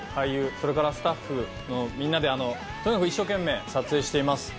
それからスタッフのみんなでとにかく一生懸命撮影しています。